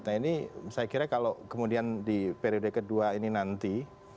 nah ini saya kira kalau kemudian di periode kedua ini nanti